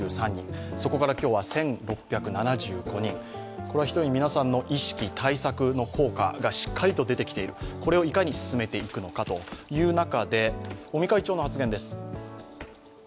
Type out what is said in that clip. これはひとえに皆さんの意識、対策の効果がしっかり出てきているこれをいかに進めていくのかという中で尾身会長の発言です。